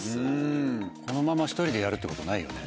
このまま１人でやるって事はないよね？